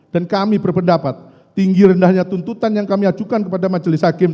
dan kami berpendapat tinggi rendahnya tuntutan yang kami ajukan kepada majelis